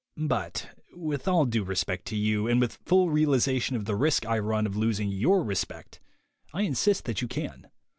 But, with all due respect to you, and with full realization of the risk I run of losing your respect, 1 insist that you can.